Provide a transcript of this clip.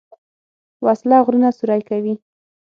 وسله غرونه سوری کوي